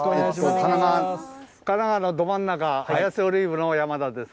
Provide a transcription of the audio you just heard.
神奈川のど真ん中、綾瀬オリーブの山田です。